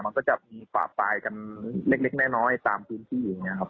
มันก็จะมีฝ่าปลายกันเล็กน้อยตามพื้นที่อย่างนี้ครับ